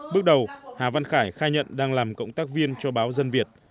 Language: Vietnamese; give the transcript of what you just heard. bước đầu hà văn khải khai nhận đang làm cộng tác viên cho báo dân việt